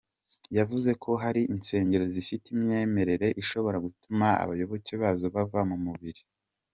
Yavuze ko hari insengero zifite imyemerere ishobora gutuma abayoboke bazo bava mu mubiri.